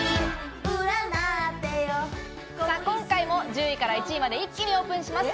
今回も１０位から１位まで、一気にオープンします。